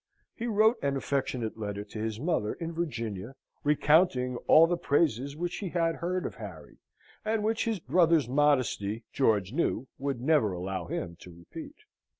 He wrote an affectionate letter to his mother in Virginia, recounting all the praises which he had heard of Harry, and which his brother's modesty, George knew, would never allow him to repeat.